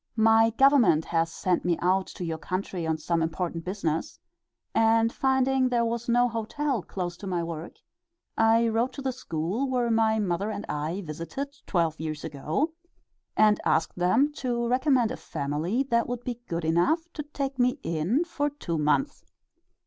My Government has sent me out to your country on some important business, and finding there was no hotel close to my work, I wrote to the school where my mother and I visited twelve years ago, and asked them to recommend a family that would be good enough to take me in for two months.